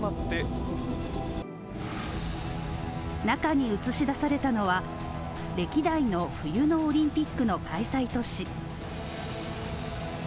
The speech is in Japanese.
中に映し出されたのは歴代の冬のオリンピックの開催都市。